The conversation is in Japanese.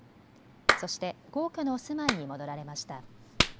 そして皇居のお住まいに戻られました。